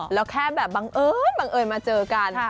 แล้วแค่แบบบังเอิญมาเจอกัน